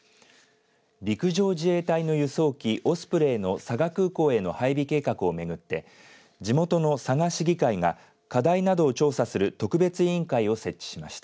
陸上自衛隊の輸送機オスプレイの佐賀空港への配備計画を巡って地元の佐賀市議会が課題などを調査する特別委員会を設置しました。